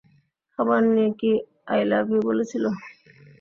খাবার নিয়ে কি আই লাভ ইউ বলেছিল?